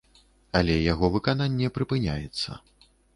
Але яго выкананне прыпыняецца.